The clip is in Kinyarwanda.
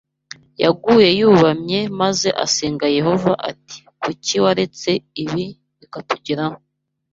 Yaguye yubamye maze asenga Yehova ati kuki waretse ibi bikatugeraho